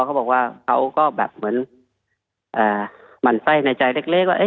เขาบอกว่าเขาก็แบบเหมือนอ่าหมั่นไส้ในใจเล็กเล็กว่าเอ๊ะ